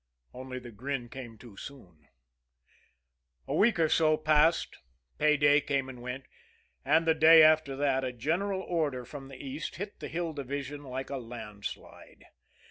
Only the grin came too soon. A week or so passed, pay day came and went and the day after that a general order from the East hit the Hill Division like a landslide.